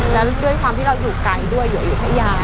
แล้วด้วยความที่เราอยู่ไกลด้วยอยู่แค่ยาย